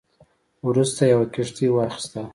وروسته یې یوه کښتۍ واخیسته.